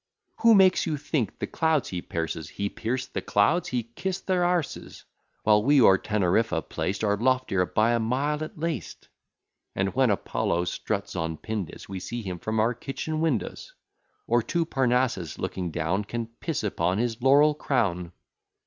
Who makes you think the clouds he pierces? He pierce the clouds! he kiss their a es; While we, o'er Teneriffa placed, Are loftier by a mile at least: And, when Apollo struts on Pindus, We see him from our kitchen windows; Or, to Parnassus looking down, Can piss upon his laurel crown.